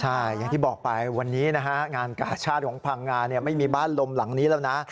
ใช่อย่างที่บอกไปวันนี้นะฮะงานกาชาติของพังงาไม่มีบ้านลมหลังนี้แล้วนะ